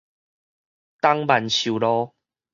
東萬壽路